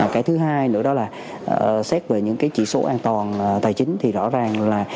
cái thứ hai nữa đó là xét về những cái chỉ số an toàn tài chính thì rõ ràng là